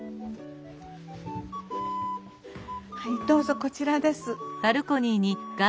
はいどうぞこちらです。